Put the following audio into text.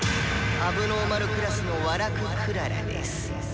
「問題児クラスのウァラク・クララです。